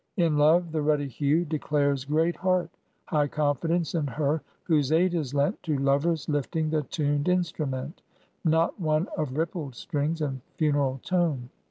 In love the ruddy hue declares great heart; High confidence in her whose aid is lent To lovers lifting the tuned instrument, Not one of rippled strings and funeral tone.